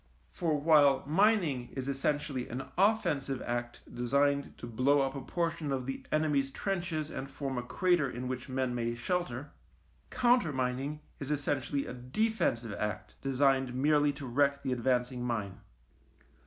For while mining is essentially an offensive act designed to blow up a portion of the enemy's trenches and form a crater in which men may shelter, countermining is essentially a defensive act designed merely to wreck the advancing mine.